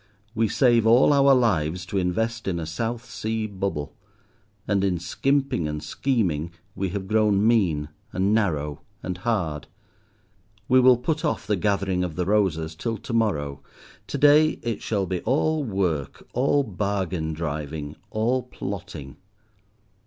We save all our lives to invest in a South Sea Bubble; and in skimping and scheming, we have grown mean, and narrow, and hard. We will put off the gathering of the roses till to morrow, to day it shall be all work, all bargain driving, all plotting.